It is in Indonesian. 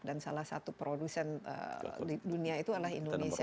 dan salah satu produsen di dunia itu adalah indonesia ya